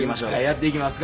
やっていきます。